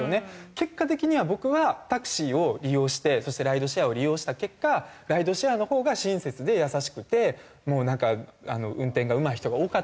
結果的には僕はタクシーを利用してそしてライドシェアを利用した結果ライドシェアのほうが親切で優しくてもうなんか運転がうまい人が多かったなっていう風に。